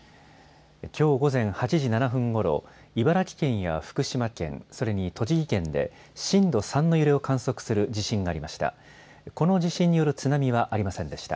きょう午前８時７分ごろ、茨城県や福島県、それに栃木県で、震度３の揺れを観測する地震がありました。